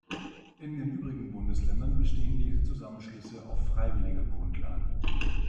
In den übrigen Bundesländern bestehen diese Zusammenschlüsse auf freiwilliger Grundlage.